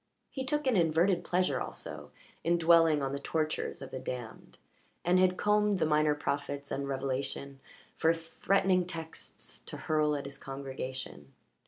He took an inverted pleasure also in dwelling on the tortures of the damned, and had combed the minor prophets and Revelation for threatening texts to hurl at his congregation.